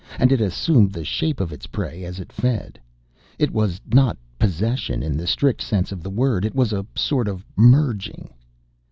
And it assumed the shape of its prey as it fed. It was not possession, in the strict sense of the word. It was a sort of merging....